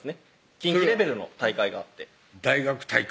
近畿レベルの大会があって大学対抗？